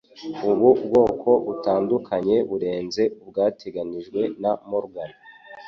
Ubu bwoko butandukanye burenze ubwateganijwe na Morgan